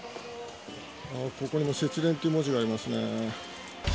ここにも節電という文字がありますね。